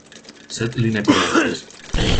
Sed li ne komentis.